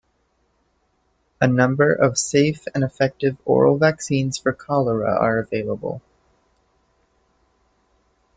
A number of safe and effective oral vaccines for cholera are available.